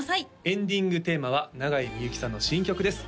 エンディングテーマは永井みゆきさんの新曲です